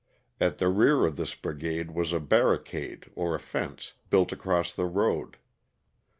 At the rear of this brigade was a barricade (or a fence) built across the road.